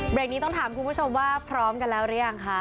นี้ต้องถามคุณผู้ชมว่าพร้อมกันแล้วหรือยังคะ